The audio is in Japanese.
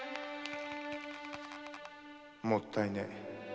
・〔もったいねえ。